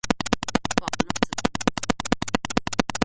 Polna sem obupa.